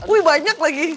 wih banyak lagi